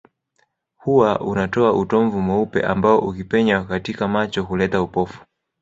Huwa unatoa utomvu mweupe ambao ukipenya katika macho huleta upofu